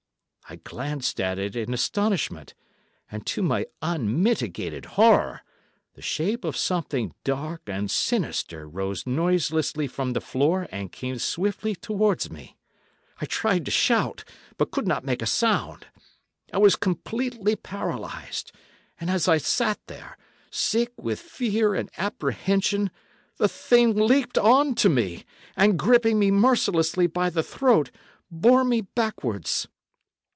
I glanced at it in astonishment, and, to my unmitigated horror, the shape of something dark and sinister rose noiselessly from the floor and came swiftly towards me. I tried to shout, but could not make a sound. I was completely paralysed, and as I sat there, sick with fear and apprehension, the thing leaped on to me, and, gripping me mercilessly by the throat, bore me backwards.